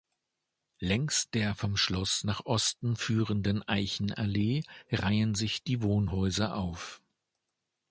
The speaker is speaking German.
Längs der vom Schloss nach Osten führenden Eichenallee reihen sich die Wohnhäuser auf.